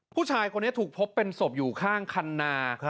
ผู้ชายคนนี้ถูกพบเป็นศพอยู่ข้างคันนา